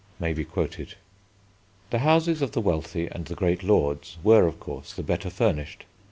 may be quoted. The houses of the wealthy and the great lords were, of course, the better furnished.